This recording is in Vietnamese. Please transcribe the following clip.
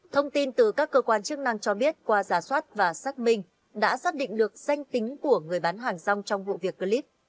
thông tin từ các cơ quan chức năng cho biết qua giả soát và xác minh đã xác định được danh tính của người bán hàng rong trong vụ việc clip